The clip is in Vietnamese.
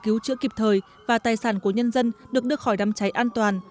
cứu chữa kịp thời và tài sản của nhân dân được đưa khỏi đám cháy an toàn